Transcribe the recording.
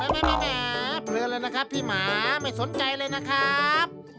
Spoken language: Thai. แหมเพลินเลยนะครับพี่หมาไม่สนใจเลยนะครับ